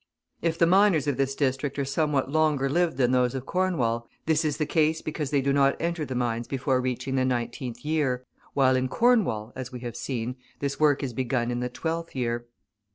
If the miners of this district are somewhat longer lived than those of Cornwall, this is the case, because they do not enter the mines before reaching the nineteenth year, while in Cornwall, as we have seen, this work is begun in the twelfth year.